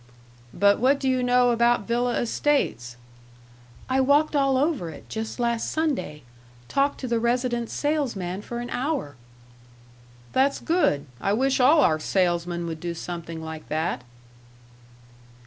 "But what do you know about Villa Estates?" "I walked all over it, just last Sunday. Talked to the resident salesman for an hour." "That's good. I wish all our salesmen would do something like that."